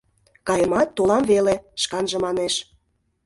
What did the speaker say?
Каемат, толам веле, — шканже манеш.